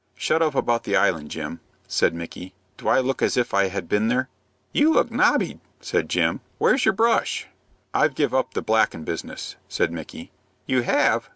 "Shut up about the Island, Jim," said Micky. "Do I look as if I had been there?" "You look nobby," said Jim. "Where's your brush?" "I've give up the blackin' business," said Micky. "You have?